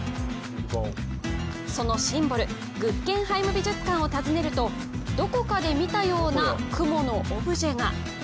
そのシンボル、グッゲンハイム美術館を訪ねるとどこかで見たようなクモのオブジェが。